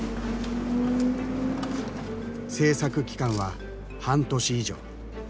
制作期間は半年以上。